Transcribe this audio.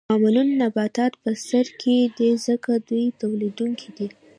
معمولاً نباتات په سر کې دي ځکه دوی تولیدونکي دي